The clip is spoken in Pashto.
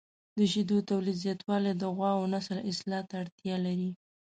د شیدو تولید زیاتول د غواوو نسل اصلاح ته اړتیا لري.